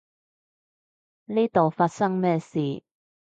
呢度發生咩事？